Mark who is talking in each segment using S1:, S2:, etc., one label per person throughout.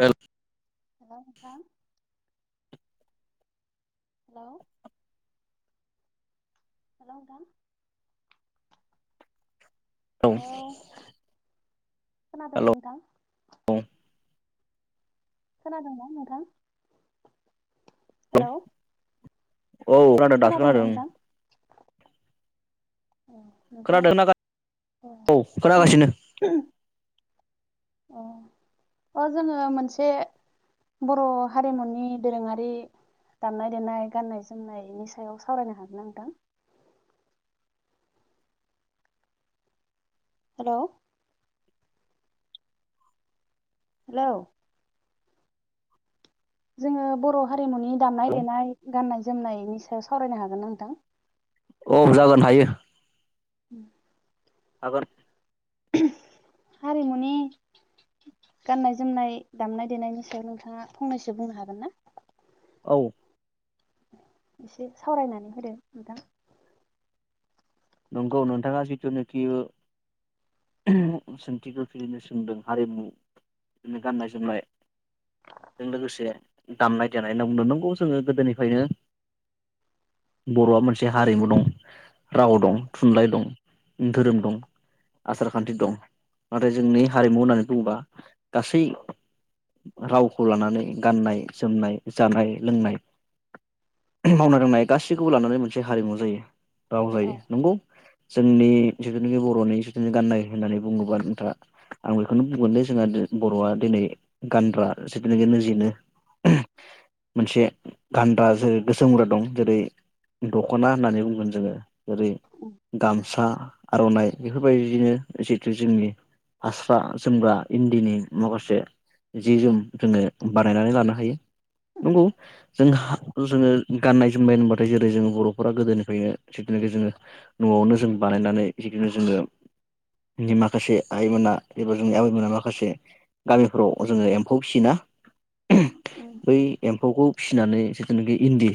S1: Help
S2: hello नोंथां hello hello नोंथां
S1: औ
S2: हेलौ खोनादोंना नोंथां?
S1: औ
S2: खोनादोंना नोंथां? हेलौ
S1: औ खानादों, दासो
S2: खोनादोंना
S1: खोनादों ओं
S2: नोंथां औ नोंथां
S1: खोनादों ना? औ
S2: जों
S1: खोनागासिनो।
S2: अ अ जोङो मोनसे बर' हारिमुनि दोरोङारि दामनाय-देनाय, गान्नाय-जोमनायनि सायाव सावरायनो हागोन ना नोंथां? हेलौ हेलौ जोङो बर' हारिमुनि दामनाय-देनाय, गान्नाय जोमनायनि सायाव सावरायनो हागोन नोंथां?
S1: अ जागोन, हायो।
S2: [inaudible]
S1: हागोन
S2: हारिमुनि गाननाय जोमनाय दामनाय देनायनि सायाव नोंथाङा फंनैसो बुंनो हागोन ना?
S1: औ
S2: एसे सावरायनानै होदो नोंथां
S1: नंगौ नोंथाङा जिथुनोखि [unintelligible] जों लोगोसे दामनाय देनाय होनना बुंदों जोङो गोदोनिफ्रायनो बर'आ मोनसे हारिमु दं राव दं।
S2: औ
S1: थुनलाइ दं धोरोम दं। आसार खान्थि दं नाथाय जोंनि हारिमु होननानै बुङोबा गासै रावखौ लानानै गाननाय जोमनाय जानाय लोंनाय मावनाय दांनाय गासैखौबो लानानै मोनसे हारिमु जायो राव जायो
S2: औ
S1: नंगौ जोंनि जिथुनिखि बर'नि जितथुनि गाननाय होननानै बुङोबा नोंथाङा आं बेखौनो बुंगोन दे जोंहा बर'आ दिनै गानग्रा जिथुनाखि निजेनो मोनसे गानद्रा जेरै गोसोम हग्रा [unintelligible] दं जेरै दख'ना होननानै बुंगोन जोङो जेरै
S2: औ
S1: गामसा आर'नाइ बेफोरबायदिनो जिहेतु जोंनि फास्रा जोमग्रा इन्दिनि माखासे जि जोम जोङो बानायनानै लानो हायो। नंगौ जों जोङो गाननाय जोमनाय होनबाथाय जेरै जोंङो बर'फोरा गोदोनिफ्रायनो जिथुनिखि जोङो न'वावनो जों बानायनानै जिखिनि जोङो नि माखासे आइमोना एबा जोंनि आबैमोना माखासे गामिफ्राव जोङो एम्फौ फिसिना
S2: [inaudible]
S1: बै एम्फौखौ फिसिनानै जिथुनोखि इन्दि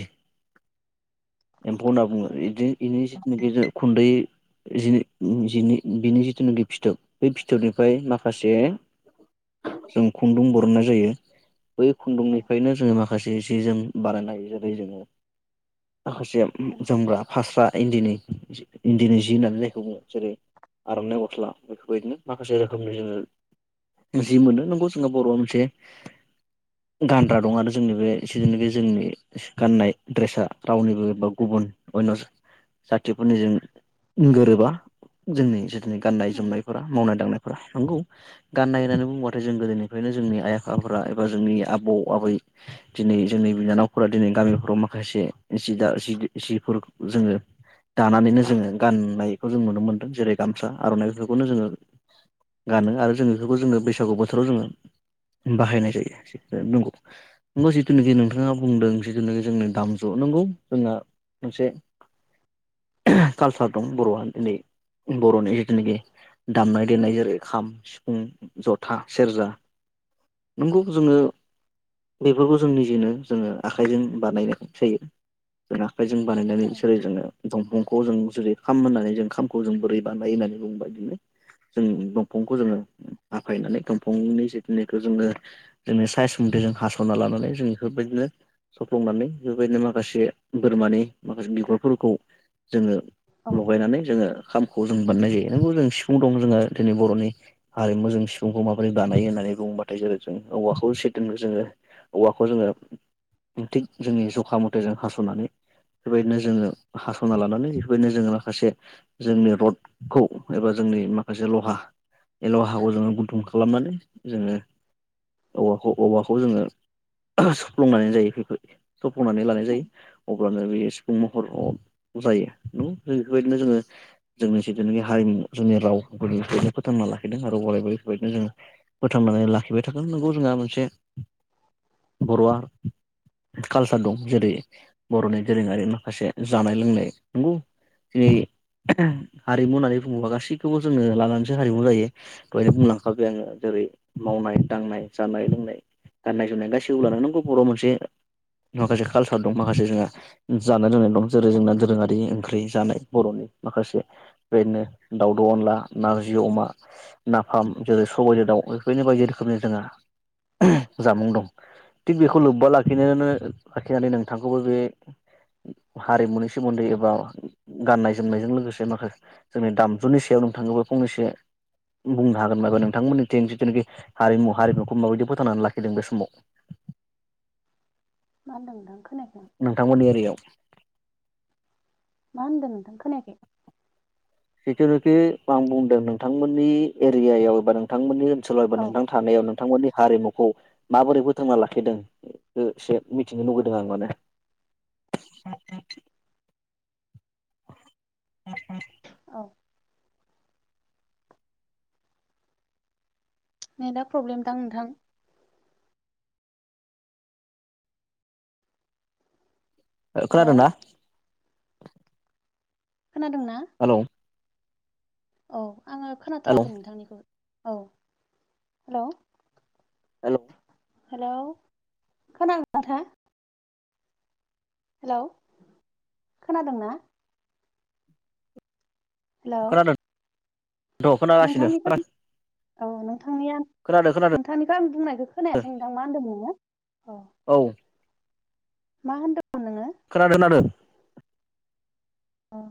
S1: एम्फौ होनना बुङो दि इनि खुदै [unintelligible] जिनि- जिउनि बेनि जिथुनिखि फिथोब बे फिथोबनिफ्राय माखासे [unintelligible] जों खुन्दुं बरननाय जायो। बै खुन्दुंनिफ्रायनो जोङो माखासे जि जोम बानायनाय जेरै जोङो। माखासे जोमग्रा फास्रा इन्दिनि इन्दिनि जि होननानै जायखौ बुङो जेरै आर'नाइ गस्ला बेफोरबायदिनो माखासे रोखोमनि जोङो जि मोनो नंगौ जोंङो बर'आ मोनसे गानग्रा दं आरो जोंनि बेनो बे जोंनि गाननाय ड्रेसा रावनिबो एबा गुबुन अयनस जाथिफोरनि जों गोरोबा जोंनि जिथुनि गाननाय जोमनायफोरा मावनाय दांनाय फ्रा नंगौ गाननाय होननानै बुंङोबाथाय जों गोदोनिफ्रायनो जोंनि आइ आफाफोरा एबा जोंनि आबौ आबै दिनै जोंनि बिनानावफोरा दिनै गामिफोराव माखासे जि दा जि जिफोर जोङो दानानैनो जोङो गाननायखौ जों नुनो मोन्दों जेरै गामसा आर'नाइफोरखौनो जोङो गानो आरो जों बेफोरखौ जोङो बैसागु बोथोराव जोङो बाहायनाय जायो नंगौ नंगौ जिथुनोखि नोंथाङा बुंदों जिथुनोखि जोंनि दामजु नंगौ जोंना मोनसे
S2: [inaudible]
S1: कालसार दं बर'आ दिनै बर'नि जितुनोखि दामनाय देनाय जेरै खाम, सिफुं, जथा, सेरजा नोंगौ जोंङो बेफोरखौ जों निजेनो जोंङो आखाइजों बानायनाय जायो। जोंना जों बानायनानै जेरै जोङो दंफांखौ जों जेरै खाम होननानै जों खामखौ जों बोरै बानाय होननानै बुंबाय बिदिनो जों दंफांखौ जोंङो हाफायनानै दंफांनि जिखिनिखौ जोंङो जोंङो सायेस जों हास'ना लानानै जों बेफोरबायदिनो सफ्लंनानै बेबायदिनो माखासे बोरमानि माखासे बिगुर फोरफोरखौ जोंङो
S2: औ
S1: लगायनानै जोंङो खामखौ जों बानायनाय जायो नंगौ जों सिफुं दं जोंङो दिनै बर'नि हारिमु जों सिफुंखौ माबोरै बानायो होननानै। बुंबाथाय जायो जों औवाखौदोन जोंङो औवाखौ जोंङो थिग जोंनि जखा मथे जों हास'नानै बेबायदिनो जोंङो हास'ना लानानै बेफोरबायनो जोंङो माखासे जोंनि रडखौ एबा जोंनि माखासे लहा ए लहाखौ जोंङो गुदुं खालामनानै जोंङो औखौ औवाखौ जोंङो सफ्लंनानै जायो बेफोरबादि। सफलंनानै लानाय जायो अब्लानो बे सिफुं महराव जायो जों बेफोरबायदिनो जोङो जोंनि जिथुनाखि हारिमु जोंनि राव फोथांना लाखिदों आरो गलायबाय बेफोरबायदिनो जोंङो फोथांनानै लाखिबाय थागोन नोंगौ जोंहा मोनसे बर'आ कालसार दं जेरै बर'नि दोरोंङारि माखासे जानाय लोंनाय नंगौ जेरै हारिमु होननानै बुंङोबा गासैखौबो जोंङो लानानैसो हारिमु जायो बेहदि बुंलांखाबाय आंङो जे जेरै मावनाय दांनाय जानाय लोंनाय गाननाय जोमनाय गाससिखौ लानो नोंखौ बर' मोनसे माखासे कालसार दं माखासे जोंहा जानाय लोंनाय दं। जेरै जोंना दोरोंङारि ओंख्रि जानाय बर'नि माखासे बेदिनो दाउद' अनला नारजि अमा नाफाम जेरै सबायजों दाउ बेफोरनो बायदि रोखोमनि जोंहा जामुं दं। थिग बेखौ लोब्बा लाखिनोन लाखिनानै नोंथांखौबो बे हारिमुनि सोमोन्दै एबा गाननाय जोमनायजों लोगोसे माखासे जोंनि दामजुनि सायाव नोंथाखौबो फंनैसो बुंनो हागोन माबा नोंथांमोननिथिं जिथुनाखि हारिमु हारिमुखौ माबायदि फोथांनानै लाखिदों बे समाव?
S2: [inaudible] होनदों नोंथां खोनायाखै आं
S1: नोंथांमोननि एरियाव।
S2: मा होनदों होनदों खोनायाखै
S1: जिथुुनुखि आं बुंदों नोंथांमोननि एरियायाव एबा नोंथांमोननि ओनसोलाव एबा
S2: औ
S1: नोंथां थानायावनो बिथांमोननि हारिमुखौ माबोरै फोथांना लाखिदों बे एसे मिथिनो लुगैदों आं माने।
S2: [inaudible]
S1: [unintelligible]
S2: औ नेटाआ प्रब्लेम दां नोंथां? हेलौ
S1: खोनादोंना?
S2: खोनादों ना?
S1: हेलौ
S2: औ आंङो
S1: हेलौ
S2: खोनाथाराखै नोंथांनिखौ औ हेल'
S1: हेल'
S2: हेल' खोनादो ना नोंथांआ? हेलौ खोनादोंना? हेल'
S1: दख'ना बासिदों खोना
S2: औ नोंथांनिया नोंथांनि गामिनि बुंनायखौ खोनायासै नोंथां मा होनदों नोंङो?
S1: औ
S2: मा होनदों?
S1: खोनादों आरो।
S2: ओम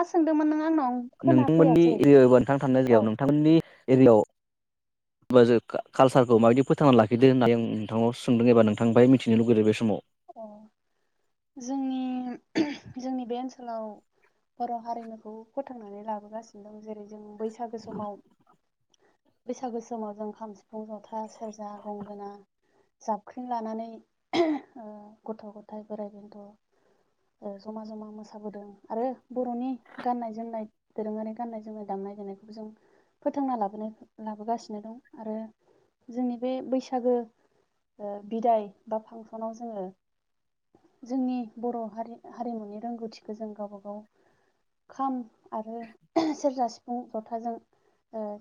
S2: मा सोंदोंमोन नों आंनाव? आं
S1: नोंथांमोननि
S2: खोनाफैयासै
S1: एरियावबा नोंथां थानाय जायगायाव
S2: औ
S1: नोंथांमोननि एरियाव होनबा जों कालसारखौ माबायदि फोथांना लाखिदो होननानै आं नोंथांनाव सोंदों एबा नोंथां बाहाय मिथिनो लुगैदों बे समाव।
S2: अ जोंनि जोंनि बे ओनसोलाव बर' हारिमुखौ फोथांनानै लाबोगासिनो दं जेरै जों बैसागु समाव बैसागु समाव जों खाम सिफुं जथा सेरजा गंगोना जाबख्रिन लानानै गथ' गथाय बोराइ बेन्थ' जमा जमा मोसाबोदों आरो बर'नि गाननाय जोमनाय दोरोङारि गाननाय जोमनाय दामनाय नायनायखौ जों फोथांना लाबोनो लाबोगासिनो दं आरो। जोंनि बे बैसागो बिदाय बा फांसनाव जोङो जोंनि बर' हारि हारिमुनि रोंगौथिखौ जों गावबा गाव खाम आरो सेरजा सिफुं जथाजों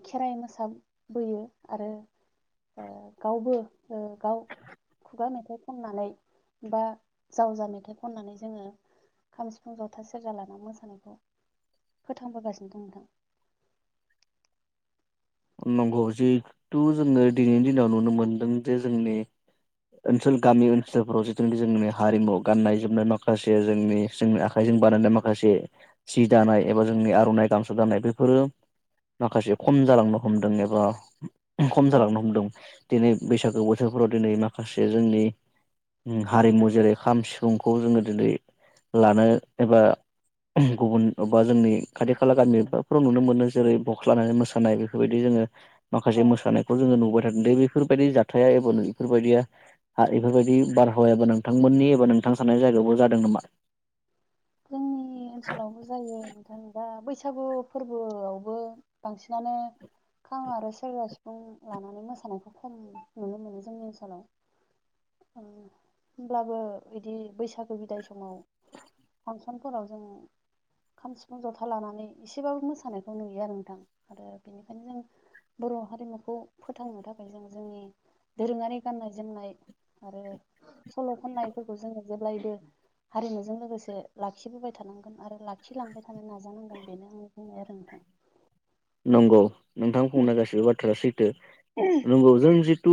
S2: खेराइ मोसाब बोयो आरो गावबो गाव खुगा मेथाइखौ खननानै बा जावजा मेथाइ खननानै जोङो खाम सिफुं जथा सेरजा लाना मोसानायखौ फोथांबोगासिनो दं नोंथां [inaudible]
S1: नंगौ जिहेथु जोङो दिनैनि दिनाव नुनो मोनदों जे जोंनि ओनसोल गामि ओनसोलफोराव जिथुनाखि जोंनि हारिमु गाननाय जोमनाय माखासे जोंनि जोंनि आखाइजों बानायनाय माखासे सि दानाय एबा जोंनि आर'नाइ गामसा दानाय बेफोरो माखासे खम जालांनो हमदों एबा खम
S2: औ
S1: जालांनो हमदों दिनै बैसागो बोथोरफ्राव दिनै माखासे जोंनि हारिमु जेरै खाम सिफुंखौ जोङो दिनै लानो एबा गुबुन अबा जोंनि खाथि खाला गामिाफोराव नुनो मोनो जेरै बक्स लानाय मोसानाय बेफोर बेफोरबायदि जोङो
S2: औ
S1: माखासे मोसानायखौ जोङो नुबो द बेफोरबायदि जाथाया एब नों बेफोरबायदिया बेफोरबायदि बारहावायाबो नोंथांमोननि एबा नों थां सारनाय जायगायावबो जादों नामा
S2: जोंनि ओनसोलावबो जायो नोंथां दा बैसाग बैसागु फोरबोआवबो बांसिनानो खां आरो सेरजा सिफुं लानानै मोसानायखौ खम नुनो मोनो जोंनि ओनसोलाव होमब्लाबो बिदि बैसागो बिदाय समाव फांसनफोराव जोङो खाम सिफुं जथा लानानै एसेबाबो मोसानायखौ नुयो आरो नोंथां आरो बेनिखायनो जों बर' हारिमुखौ फोथांनो थाखाय जों जोंनि दोरोङारि गाननाय जोमनाय आरो सल' खननायफोरखौ जोङो जेब्लायबो हारिमुजों लोगोसे लाखिबोबाय थानांगोन आरो लाखिलांबाय थानो नाजानांगोन बेनो आं बुंनाय आरो नोंथां
S1: नंगौ नोंथां बुंनाय गासिबो बाथ्राया सैथो नंगौ जों थु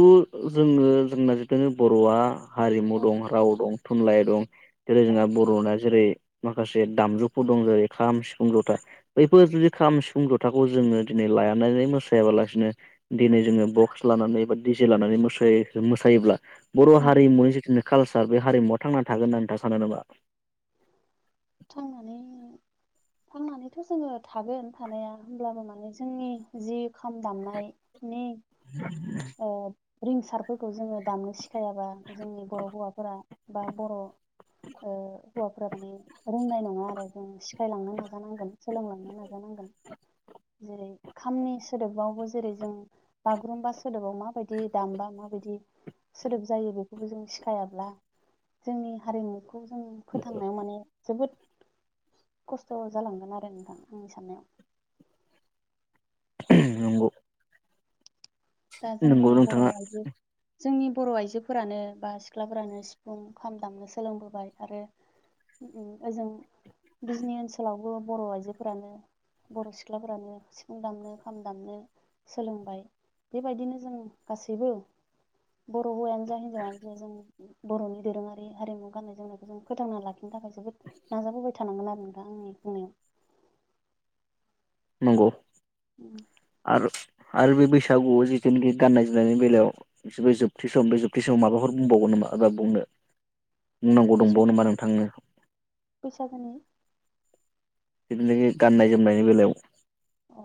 S1: जोङो जोंना जिथुनि बर'आ हारिमु दं राव दं थुनलाइ दं। जेरै
S2: औ
S1: जोंहा बर'ना जेरै माखासे दामजुफोर दं जेरै खाम सिफुं जथा बैफोर जुदि खाम सिफुं ज थाखौ जोङो दिनै लानानै मोसाबालासिनो दिनै जोङो बक्स लानानै बा दिजे लानानै मो मोसायोब्ला बर' हारिमुनि जिथुनो कालसार बे हारिमुवा थांनानै थागोन होनना नोंथाङा सानो नामा
S2: थांनानै थांनानैथ' जोङो थागोन थानाया होमब्लाबो माने जोंनि जि खाम दामनाय
S1: [inaudible]
S2: रिंसारफोरखौ जोङो दामनो सिखायाबा जोंनि बर' हौवाफोरा बा बर' ओ हौवाफोरा माने रोंनाय नङा आरो जों सि [inaudible] जेरै खामनि सोदोबावबो जेरै जों बागुरुम्बा सोदोबाव माबायदि दामबा माबायदि सोदोब जायो बेखौबो जों सिखायाब्ला जोंनि हारिमुखौ खौ जों फोथांनायाव माने जोबोद खस्थ' जालांगोन आरो नोंथां आंनि साननायाव।
S1: नंगौ।
S2: दा
S1: नंगौ
S2: जोंनि बर'
S1: नोंथाङा
S2: आइजो जोंनि बर' आइजोफोरानो बा सिख्लाफोरानो सिफुं खाम दामनो सोलोंबोबाय आरो उम ओजों बिजनि ओनसोलावबो बर' आइजोफोरानो बर' सिख्लाफोरानो सिफुं दामनो खाम दामनो सोलोंबाय। बेबायदिनो जों गासैबो बर' हौवायानो जा हिनजावानो जा जों बर'नि दोरोङारि हारिमु गाननाय जोमनायखौ जों फोथांना लाखि नो थाखाय जोबोद नाजाबोबाय थानांगोन आरो नोंथां आंनि बुंनायाव।
S1: नंगौ आरो आरो बे बैसागुआव जिथुनाखि गाननाय जोमनायनि बेलायाव बिसोरबो जोबथि सम बे जोबथि समाव माबाफोर बुंबावगोन नामा? माबा बुंनो
S2: [inaudible]
S1: बुंनांगौ दंबावो
S2: बैसागु
S1: नामा नोंथांनो?
S2: बैसागोनि
S1: जिथुनाखि गाननाय जोमनायनि बेलायाव
S2: औ।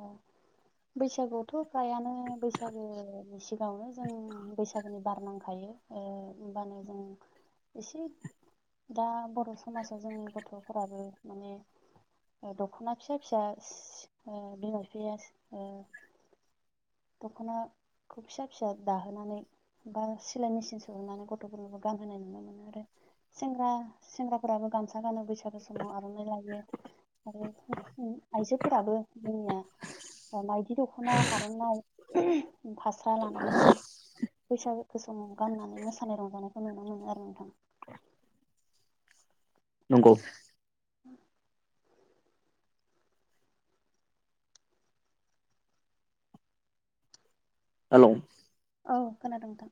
S2: बैसागुआवथ' फ्रायानो बैसागोनि सिगाङावनो जों बैसागोनि बार नांखायो। ओ होमबानो जों एसे दा बर' समाजाव जोंनि गथ'फोराबो माने ओ दख'ना फिसा फिसा ओ बिमा बिफाया ओ दख'ना खौ फिसा फिसा दाहोनानै बा सिलाय मेसिन सोनानै गथ'फोरनोबो गानहोनाय नुनो मोनो आरो सेंग्रा सेंग्राफोराबो गामसा गानो बैसा सागो समाव आर'नाइ लायो आरो [unintelligible] आइजोफोराबो जोंनिया माइदि दख'ना आर'नाइ फास्रा लानानै जों बैसागो समाव गाननानै मोसानाय रंजानायखौ नुनो मोनो आरो नोंथां।
S1: नंगौ।
S2: [inaudible]
S1: हेलौ।
S2: औ खोनादों नोंथां।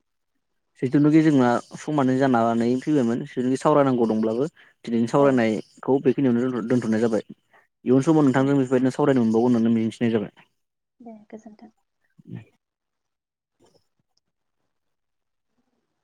S1: जिथुनाखि जोंना समा नै जानानै फैबायमोन जिथुखि सावरायनांगौ दंब्लाबो दिनैनि
S2: औ
S1: सावरायनायखौ बेखिनियावनो दोन्थ' दोन्थ'नाय जाबाय इयुन समाव
S2: दे
S1: नोंथांजों बेफोरबायदिनो साव रायनो मोनबावगोन होननानै मिजिंथिनाय जाबाय।
S2: दे गोजोन्थों।
S1: [inaudible]